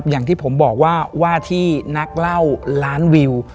อย่างที่ผมบอกว่าว่าที่นักเล่าล้านวิว